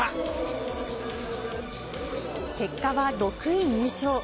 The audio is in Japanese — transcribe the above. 結果は６位入賞。